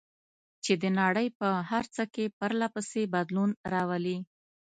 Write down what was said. چې د نړۍ په هر څه کې پرله پسې بدلون راولي.